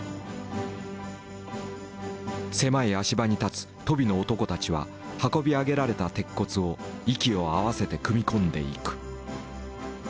狭い足場に立つ鳶の男たちは運び上げられた鉄骨を息を合わせて組み込んでいく。